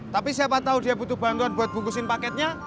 tapi siapa tahu dia butuh bantuan buat bungkusin paketnya